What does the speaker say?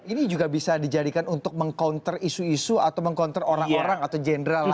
ini juga bisa dijadikan untuk meng counter isu isu atau meng counter orang orang atau jenderal lain